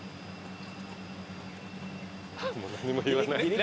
もう何も言わない。